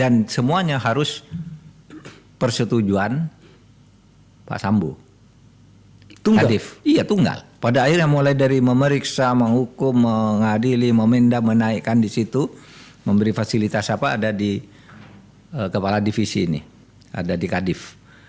iya tunggal pada akhirnya mulai dari memeriksa menghukum mengadili memendam menaikkan di situ memberi fasilitas apa ada di kepala divisi ini ada di kadif